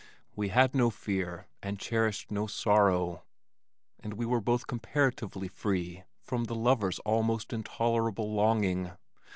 We had no fear and cherished no sorrow, and we were both comparatively free from the lover's almost intolerable longing.